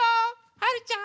はるちゃん。